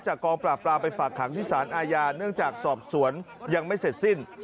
กองปราบปรามไปฝากขังที่สารอาญาเนื่องจากสอบสวนยังไม่เสร็จสิ้น